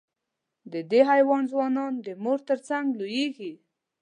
د دې حیوان ځوانان د مور تر څنګ لویېږي.